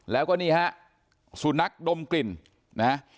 แล้วก็นี่ฮะสุนัขดมกลิ่นนะฮะ